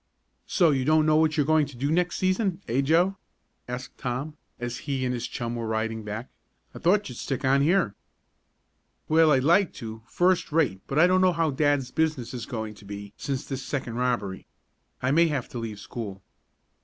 "So you don't know what you are going to do next season, eh, Joe?" asked Tom, as he and his chum were riding back. "I thought you'd stick on here." "Well, I'd like to, first rate but I don't know how dad's business is going to be since this second robbery. I may have to leave school."